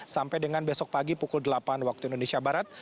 sampai dengan besok pagi pukul delapan waktu indonesia barat